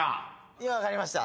今分かりました。